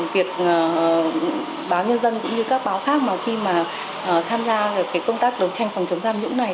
việc báo nhân dân cũng như các báo khác mà khi mà tham gia công tác đấu tranh phòng chống tham nhũng này